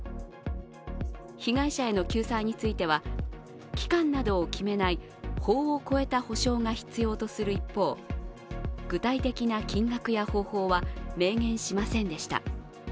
被害者への救済については、期間などを決めない法を超えた補償が必要とする一方、具体的な金額や方法は明言しませんでした。